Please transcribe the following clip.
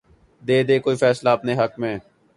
دے دے کوئی فیصلہ اپنے حق میں